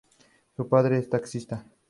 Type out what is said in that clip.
Su padre es taxista.